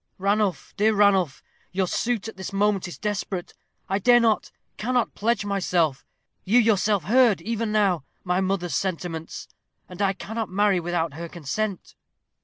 "Ranulph, dear Ranulph, your suit at this moment is desperate. I dare not, cannot pledge myself. You yourself heard, even now, my mother's sentiments, and I cannot marry without her consent."